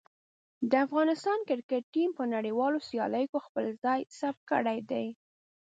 د افغانستان کرکټ ټیم په نړیوالو سیالیو کې خپله ځای ثبت کړی دی.